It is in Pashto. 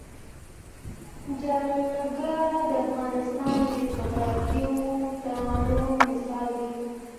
جلګه د افغانستان د جغرافیوي تنوع مثال دی.